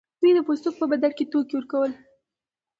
دوی د پوستکو په بدل کې توکي ورکول.